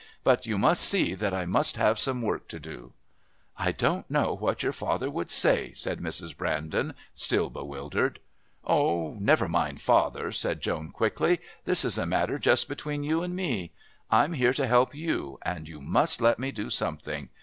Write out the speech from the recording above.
"But you must see that I must have some work to do." "I don't know what your father would say," said Mrs. Brandon, still bewildered. "Oh, never mind father," said Joan quickly; "this is a matter just between you and me. I'm here to help you, and you must let me do something.